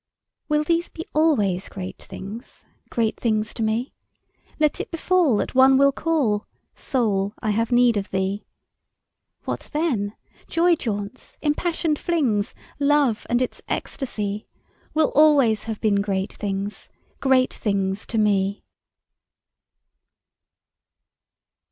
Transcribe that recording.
Will these be always great things, Great things to me? ... Let it befall that One will call, "Soul, I have need of thee:" What then? Joy jaunts, impassioned flings, Love, and its ecstasy, Will always have been great things, Great things to me!